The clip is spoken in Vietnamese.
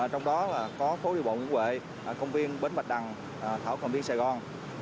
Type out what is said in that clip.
trong đó là có phố địa bộ nguyễn huệ công viên bến bạch đằng thảo cầm biên sài gòn